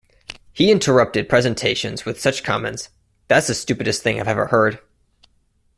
He interrupted presentations with such comments That's the stupidest thing I've ever heard!